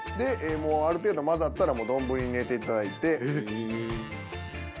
ある程度混ざったらもう丼に入れていただいて。